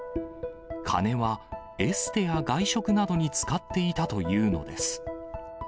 金はエステや外食などに使っていたというのです。